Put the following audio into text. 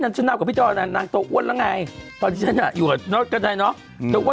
คุณจะกล้องข่มขืนเธอ